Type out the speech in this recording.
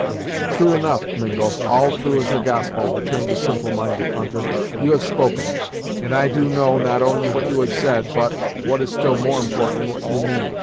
"True enough, Mingo, all true as the gospel," returned the simple minded hunter, "you have spoken, and I do know not only what you have said, but, what is still more important, what you mean.